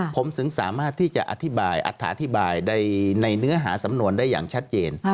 ผมถึงสามารถที่จะอธิบายอัฐาอธิบายในเนื้อหาสำนวนได้อย่างชัดเจน